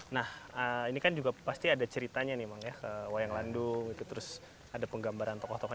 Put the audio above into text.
nah ini kan juga pasti ada ceritanya nih memang ya ke wayang landung terus ada pengguna